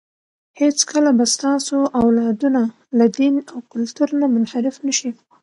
هېڅکله به ستاسو اولادونه له دین او کلتور نه منحرف نه شي.